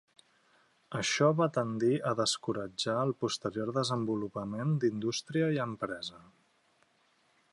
Això va tendir a descoratjar el posterior desenvolupament d'indústria i empresa.